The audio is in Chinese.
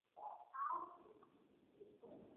后返回卫拉特传教。